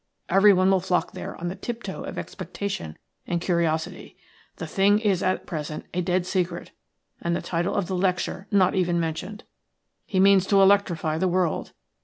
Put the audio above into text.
Everyone will flock there on the tip toe of expectation and curiosity. The thing is at present a dead secret, and the title of the lecture not even mentioned. He means to electrify the world.